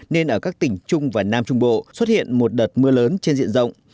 nên ở các tỉnh trung và nam trung bộ xuất hiện một đợt mưa lớn trên diện rộng